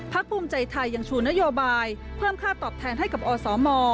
ภูมิใจไทยยังชูนโยบายเพิ่มค่าตอบแทนให้กับอสม